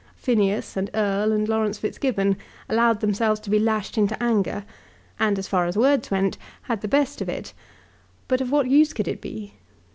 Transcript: Phineas, and Erle, and Laurence Fitzgibbon allowed themselves to be lashed into anger, and, as far as words went, had the best of it. But of what use could it be?